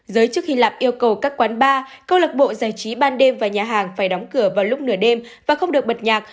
giới chức hy lạp yêu cầu các quán bar câu lạc bộ giải trí ban đêm và nhà hàng phải đóng cửa vào lúc nửa đêm và không được bật nhạc